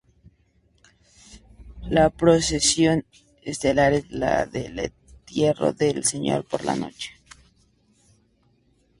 La procesión estelar es la del Entierro del Señor, por la noche.